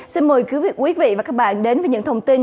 xin mời quý vị và các bạn đến với những thông tin